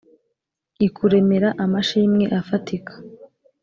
Ikuremera amashimwe afatika